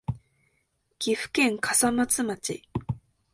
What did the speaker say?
岐阜県笠松町